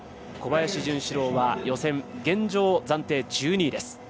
小林潤志郎は予選、現状、暫定１２位です。